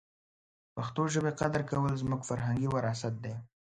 د پښتو ژبې قدر کول زموږ فرهنګي وراثت دی.